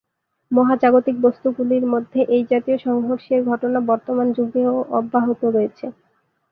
মহাজাগতিক বস্তুগুলির মধ্যে এই জাতীয় সংঘর্ষের ঘটনা বর্তমান যুগেও অব্যাহত রয়েছে।